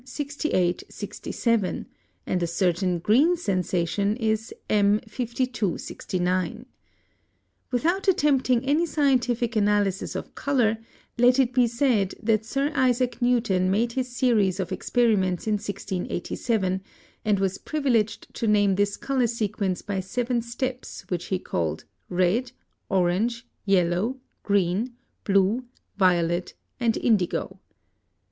6867, and a certain green sensation is M. 5269. Without attempting any scientific analysis of color, let it be said that Sir Isaac Newton made his series of experiments in 1687, and was privileged to name this color sequence by seven steps which he called red, orange, yellow, green, blue, violet, and indigo.